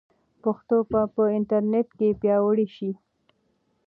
پښتو به په انټرنیټ کې پیاوړې شي.